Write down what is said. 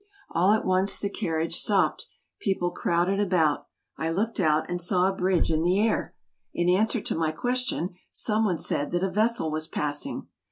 All at once the carriage stopped, people crowded about ; I looked out and saw a bridge in the air. In answer to my question, some one said that a vessel was passing.